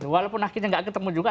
walaupun akhirnya nggak ketemu juga